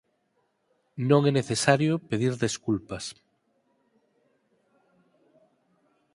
Non é necesario pedir desculpas.